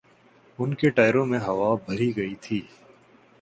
ان کے ٹائروں میں ہوا بھری گئی تھی۔